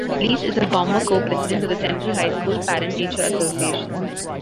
Elise is a former Co-President of the Central High School Parent Teacher Association.